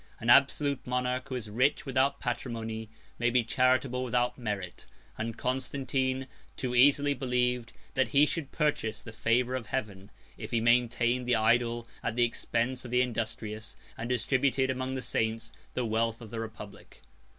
An absolute monarch, who is rich without patrimony, may be charitable without merit; and Constantine too easily believed that he should purchase the favor of Heaven, if he maintained the idle at the expense of the industrious; and distributed among the saints the wealth of the republic.